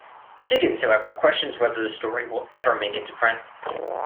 Higgins, however, questions whether the story will ever make it to print.